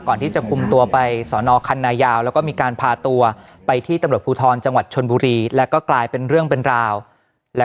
ก่อนที่ไปตรวจคนบ้านของในเป้วันที่๒๓พฤษภาคมช่วงบ่ายนะครับ